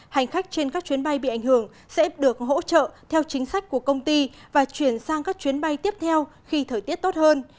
hành khách trên các chuyến bay bị ảnh hưởng sẽ được hỗ trợ theo chính sách của công ty và chuyển sang các chuyến bay tiếp theo khi thời tiết tốt hơn